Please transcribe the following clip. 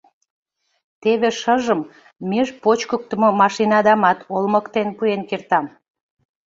Теве шыжым меж почкыктымо машинадамат олмыктен пуэн кертам.